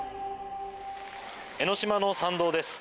江の島の参道です。